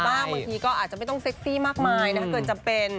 บางทีก็อาจจะไม่ต้องเซ็กซี่มากมายนะเกินจำเป็น